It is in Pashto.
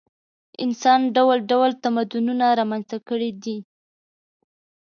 انسان ډول ډول تمدنونه رامنځته کړي دي.